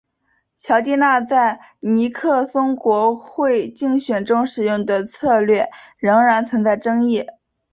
乔蒂纳在尼克松国会竞选中使用的策略仍然存在争议。